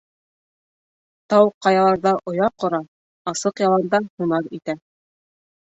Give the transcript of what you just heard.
Тау-ҡаяларҙа оя ҡора, асыҡ яланда һунар итә.